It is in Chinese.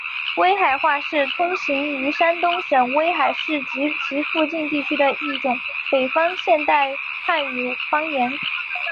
威海话是通行于山东省威海市及其附近地区的一种北方现代汉语方言。